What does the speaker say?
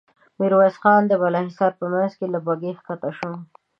ميرويس خان د بالا حصار په مينځ کې له بګۍ کښته شو.